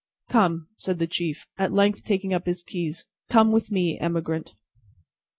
"Come!" said the chief, at length taking up his keys, "come with me, emigrant."